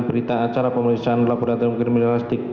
berita acara pengisian laporan kriminalistik